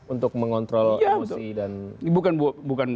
untuk mengontrol emosi dan